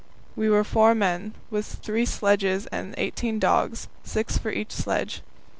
We were four men, with three sledges and eighteen dogs, six for each sledge.